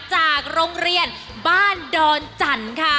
จากโรงเรียนบ้านดอนจันทร์ค่ะ